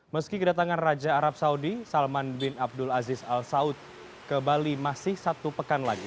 meski kedatangan raja arab saudi salman bin abdul aziz al saud ke bali masih satu pekan lagi